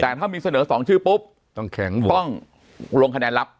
แต่ถ้ามีเสนอ๒ชื่อปุ๊บต้องลงคะแนนลับ